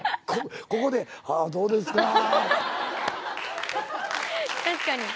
ここで「どうですか？」確かに。